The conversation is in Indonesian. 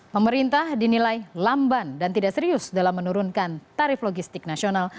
pemerintah dinilai lamban dan tidak serius dalam menurunkan tarif logistik nasional